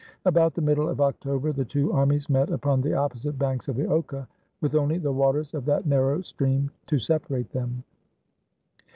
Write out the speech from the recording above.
About the middle of October the two armies met upon the opposite banks of the Oka, with only the waters of that narrow stream to separate them.